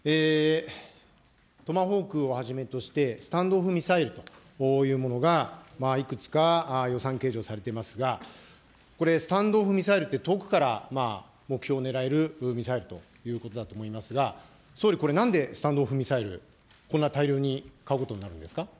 トマホークをはじめとして、スタンド・オフ・ミサイルというものがいくつか予算計上されていますが、これ、スタンド・オフ・ミサイルって、遠くから目標を狙えるミサイルということだと思いますが、総理、これ、なんでスタンド・オフ・ミサイル、こんな大量に買うことになるんですか。